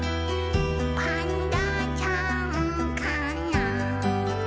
「パンダちゃんかな？」